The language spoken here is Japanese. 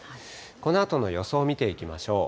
このあとの予想見ていきましょう。